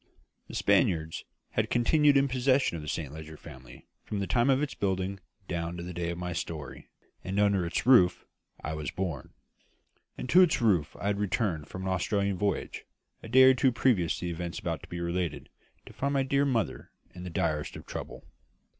"The Spaniards" had continued in possession of the Saint Leger family from the time of its building down to the date of my story; and under its roof I was born. And to its roof I had returned from an Australian voyage, a day or two previous to the events about to be related, to find my dear mother in the direst of trouble.